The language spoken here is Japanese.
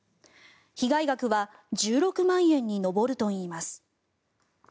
被害額は１６万円に上るといいます。